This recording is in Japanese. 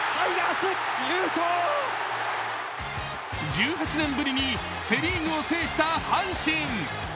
１８年ぶりにセ・リーグを制した阪神。